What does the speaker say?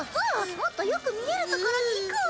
もっとよく見える所に行こうよ。